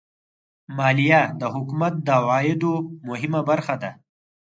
مالیه د حکومت د عوایدو مهمه برخه ده.